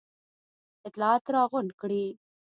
اطلاعات را غونډ کړي.